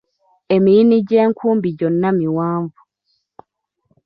Emiyini gy’enkumbi gyonna miwanvu.